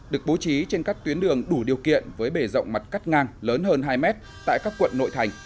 được bố trí trên các tuyến đường đủ điều kiện với bề rộng mặt cắt ngang lớn hơn hai mét tại các quận nội thành